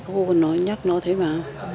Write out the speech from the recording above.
cô còn nói nhắc nó thế mà